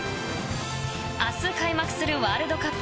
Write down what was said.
明日開幕するワールドカップ